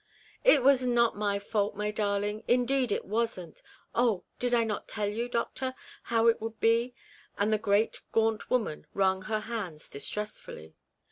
"It was not my fault, my darling, indeed it wasn't. Oil ! did I not tell you, doctor, how it would be?" And the great gaunt woman wrung her hands distressfully.